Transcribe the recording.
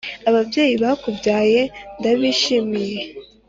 Ababyeyi bakubyaye ndabishimiye